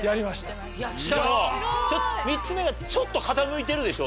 しかも３つ目がちょっと傾いてるでしょ。